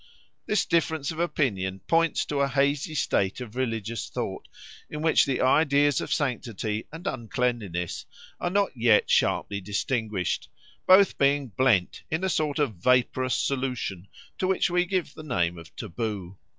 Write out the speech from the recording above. This difference of opinion points to a hazy state of religious thought in which the ideas of sanctity and uncleanness are not yet sharply distinguished, both being blent in a sort of vaporous solution to which we give the name of taboo.